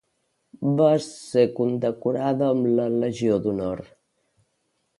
Va ser condecorada amb la Legió d'Honor.